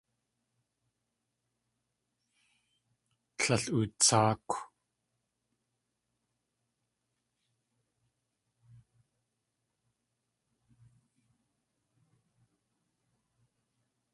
Tlél utsáakw.